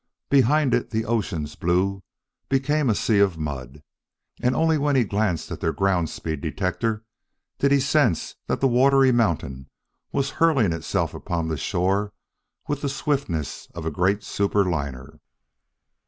Behind it the ocean's blue became a sea of mud; and only when he glanced at their ground speed detector did he sense that the watery mountain was hurling itself upon the shore with the swiftness of a great super liner.